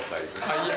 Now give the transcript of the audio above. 最悪。